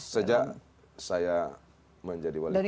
sejak saya menjadi wali kota